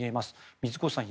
水越さん